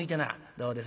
「どうです？